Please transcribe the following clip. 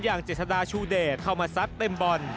เจษฎาชูเดชเข้ามาซัดเต็มบอล